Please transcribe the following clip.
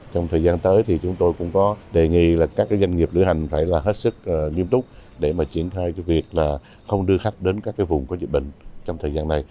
trong thời gian tới thì chúng tôi cũng có đề nghị là các doanh nghiệp lửa hành phải là hết sức nghiêm túc để mà triển thai cho việc là không đưa khách đến các cái vùng có dịch bệnh trong thời gian này